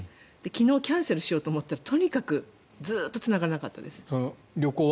昨日キャンセルしようと思ったらとにかくずっとつながらなかったです。